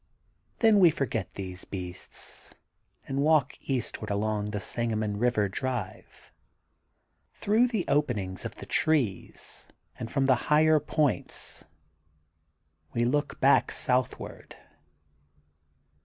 *' Then we forget these beasts and walk eastward along the Sangamon Eiver Drive. Through the openings of the trees and from the higher points we look back southward.